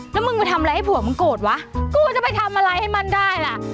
แล้วมึงไปทำอะไรให้ผัวมึงโกรธวะกูจะไปทำอะไรให้มันได้ล่ะ